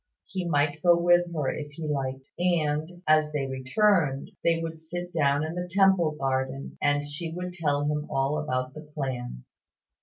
He might go with her, if he liked; and as they returned, they would sit down in the Temple Garden, and she would tell him all about the plan.